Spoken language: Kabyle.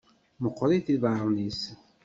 Meqqṛit iḍaṛṛen-is.